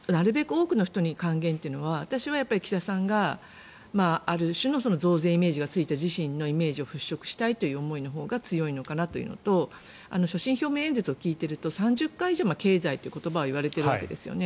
多くの人に還元というのは私は岸田さんがある種の増税イメージがついた自身のイメージを払しょくしたいという思いが強いのかなというのと所信表明演説を聞いていると３０回以上経済という言葉を言われているわけですね。